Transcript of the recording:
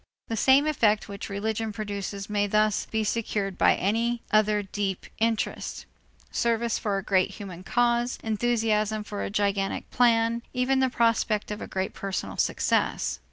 The same effect which religion produces may thus be secured by any other deep interest: service for a great human cause, enthusiasm for a gigantic plan, even the prospect of a great personal success.